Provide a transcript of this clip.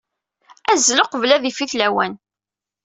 Azzel uqbel ad yifit lawan.